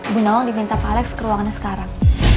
bu nawang diminta pak alex ke ruangannya sekarang